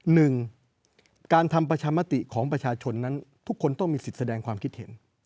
หนึ่งการทำประชามติของประชาชนนั้นทุกคนต้องมีสิทธิ์แสดงความคิดเห็น